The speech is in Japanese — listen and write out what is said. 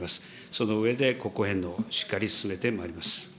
その上で国庫返納、しっかり進めてまいります。